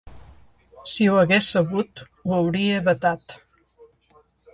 Si ho hagués sabut, ho hauria vetat.